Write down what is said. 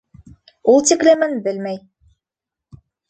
— Ул тиклемен белмәй.